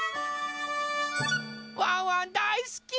ワンワンだいすき！